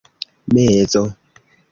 mezo